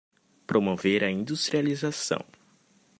Promover a industrialização